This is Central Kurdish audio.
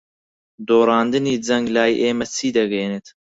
دۆڕاندنی جەنگ لای ئێمە چی دەگەیەنێت؟